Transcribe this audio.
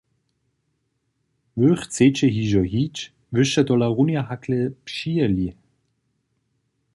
Wy chceće hižo hić, wy sće tola runje hakle přijěli?